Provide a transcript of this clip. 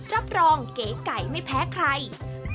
รับรองเก๋ไก่ไม่แพ้ใคร